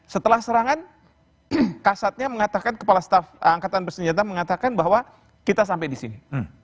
setelah serangan kasatnya mengatakan kepala staf angkatan bersenjata mengatakan bahwa kita sampai di sini